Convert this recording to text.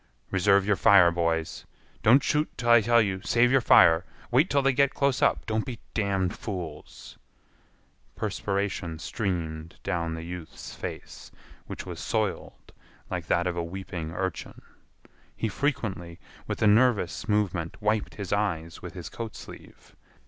"Reserve your fire, boys—don't shoot till I tell you—save your fire—wait till they get close up—don't be damned fools—" Perspiration streamed down the youth's face, which was soiled like that of a weeping urchin. He frequently, with a nervous movement, wiped his eyes with his coat sleeve.